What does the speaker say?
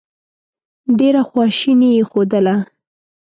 ډېره خواشیني یې ښودله.